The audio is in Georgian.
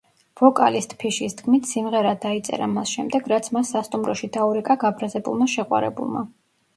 ვოკალისტ ფიშის თქმით, სიმღერა დაიწერა მას შემდეგ, რაც მას სასტუმროში დაურეკა გაბრაზებულმა შეყვარებულმა.